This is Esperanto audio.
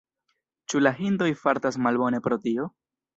Ĉu la hindoj fartas malbone pro tio?